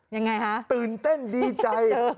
ยังไงฮะตื่นเต้นดีใจ